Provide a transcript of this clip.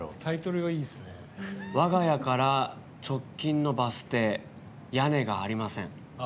我が家から直近のバス停屋根がありません。